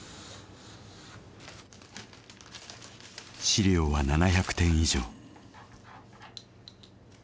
資料は７００点以上。